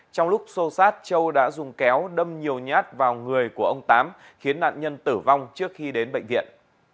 trong lúc xô xát châu đã dùng kéo đâm nhiều nhát vào người của ông tám khiến nạn nhân tử vong trước khi đến bệnh viện